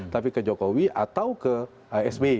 tapi ke jokowi atau ke sby